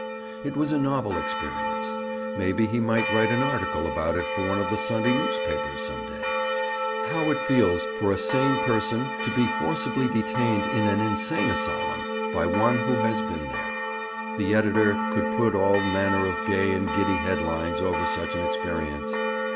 It was a novel experience. Maybe he might write an article about it for one of the Sunday newspapers some day—"How It Feels for a Sane Person to be Forcibly Detained in an Insane Asylum, by One who Has Been There." The editor could put all manner of gay and giddy head lines over such an experience.